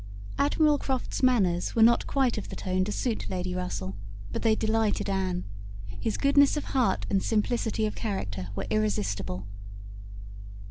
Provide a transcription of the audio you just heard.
Admiral Croft's manners were not quite of the tone to suit Lady Russell, but they delighted Anne. His goodness of heart and simplicity of character were irresistible.